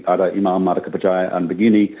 ada imam ada kepercayaan begini